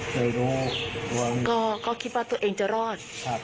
เคยรู้ก็คิดว่าตัวเองจะรอด